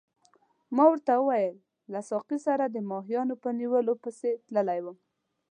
ما ورته وویل له ساقي سره د ماهیانو په نیولو پسې تللی وم.